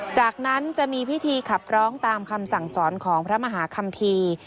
จากนั้นจะมีพิธีขับร้องตามคำสั่งสอนของพระมหาคัมภีร์